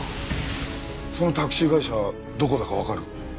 そのタクシー会社どこだかわかる？